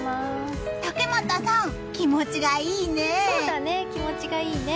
竹俣さん、気持ちがいいね！